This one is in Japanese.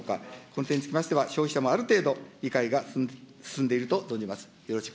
この点につきましては、消費者もある程度、理解が進んでいると存じます。